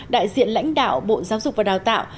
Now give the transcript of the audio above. đại diện lãnh đạo bộ giáo dục và đào tạo